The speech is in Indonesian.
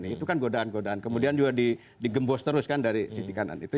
itu kan godaan godaan kemudian juga digembos terus kan dari sisi kanan itu